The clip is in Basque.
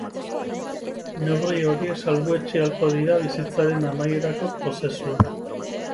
Neurri horiek salbuetsi ahalko dira bizitzaren amaierako prozesuan.